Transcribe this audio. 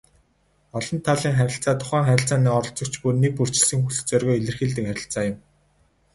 Олон талын харилцаа тухайн харилцааны оролцогч бүр нэгбүрчилсэн хүсэл зоригоо илэрхийлдэг харилцаа юм.